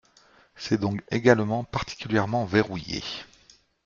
C’est donc également particulièrement verrouillé.